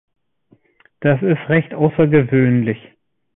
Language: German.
Das ist recht außergewöhnlich.